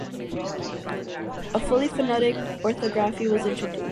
A fully phonetic orthography was introduced.